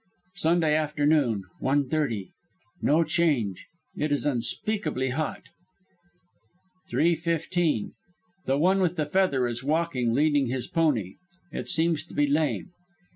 "Sunday afternoon, one thirty. No change. It is unspeakably hot. "Three fifteen. The One with the Feather is walking, leading his pony. It seems to be lame."